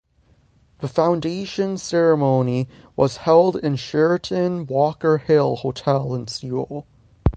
The foundation ceremony was held in Sheraton Walkerhill Hotel in Seoul.